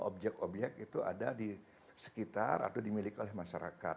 di bali ini kebanyakan juga objek objek ada di sekitar atau dimiliki oleh masyarakat